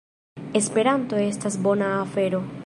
Esperanto estas bona afero!